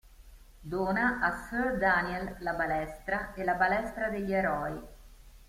Dona a Sir Daniel la "Balestra" e la "Balestra degli Eroi".